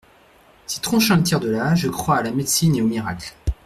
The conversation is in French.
Si Tronchin le tire de là, je crois à la médecine et aux miracles.